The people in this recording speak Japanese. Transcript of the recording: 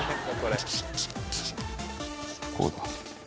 こうだ。